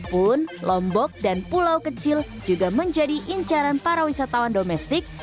pun lombok dan pulau kecil juga menjadi incaran para wisatawan domestik